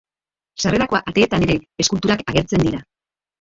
Sarrerako ateetan ere eskulturak agertzen dira.